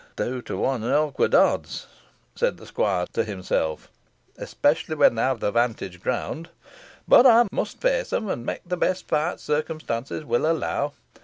"Two to one are awkward odds," said the squire to himself, "especially when they have the 'vantage ground. But I must face them, and make the best fight circumstances will allow.